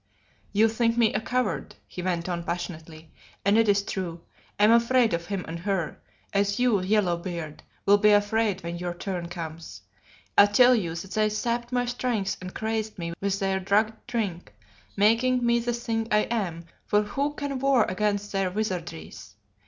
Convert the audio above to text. "You think me a coward," he went on passionately, "and it is true, I am afraid of him and her as you, Yellow beard, will be afraid when your turn comes. I tell you that they sapped my strength and crazed me with their drugged drink, making me the thing I am, for who can war against their wizardries?